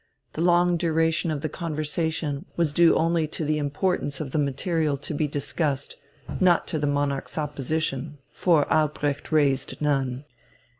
The long duration of the conversation was due only to the importance of the material to be discussed, not to the Monarch's opposition; for Albrecht raised none.